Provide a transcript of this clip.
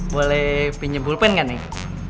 boleh pinjem bulpen kan neng